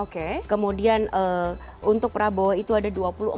kemudian untuk prabowo itu ada dua puluh empat tujuh puluh satu